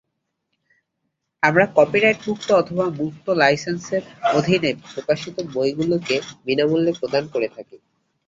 আমরা কপিরাইটমুক্ত অথবা মুক্ত লাইসেন্সের অধীনে প্রকাশিত বইগুলিকে বিনামূল্যে প্রদান করে থাকি।